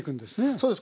そうです。